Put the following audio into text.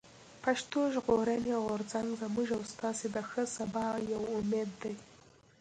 پښتون ژغورني غورځنګ زموږ او ستاسو د ښه سبا يو امېد دی.